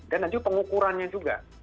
dan nanti juga pengukurannya juga